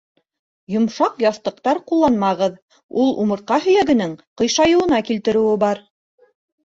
Йомшаҡ яҫтыҡтар ҡулланмағыҙ, ул умыртҡа һөйәгенең ҡыйшайыуына килтереүе бар.